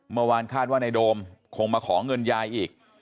เมื่อวานคาดว่าในโดมคงมาขอเงินยายอีก